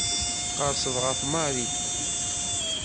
Tqerrseḍ ɣef Mary.